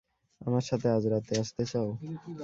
আমার সাথে আজ রাতে আসতে চাও?